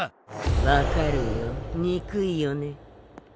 分かるよにくいよね。